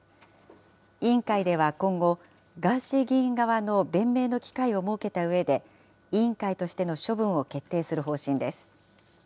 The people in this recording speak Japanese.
委員会では今後、ガーシー議員側の弁明の機会を設けたうえで、委員会としての処分を決定する方針です。